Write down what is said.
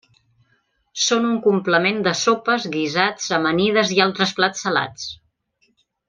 Són un complement de sopes, guisats, amanides i altres plats salats.